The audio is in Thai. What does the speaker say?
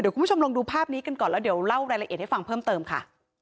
คุณผู้ชมลองดูภาพนี้กันก่อนแล้วเดี๋ยวเล่ารายละเอียดให้ฟังเพิ่มเติมค่ะ